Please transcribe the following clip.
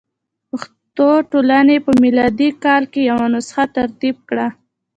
پښتو ټولنې په میلادي کال کې یوه نسخه ترتیب کړه.